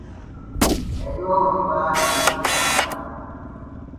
އެދުވަހު ހިބާ އިނީ ފާޑަކަށް